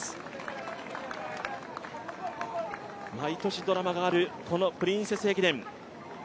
毎年、ドラマがあるこのプリンセス駅伝。